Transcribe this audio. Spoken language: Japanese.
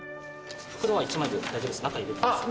袋は１枚で大丈夫ですか？